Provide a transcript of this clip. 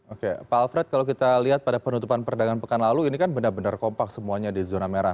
oke pak alfred kalau kita lihat pada penutupan perdagangan pekan lalu ini kan benar benar kompak semuanya di zona merah